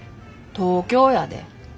東京やで。